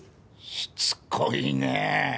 しつこいねえ。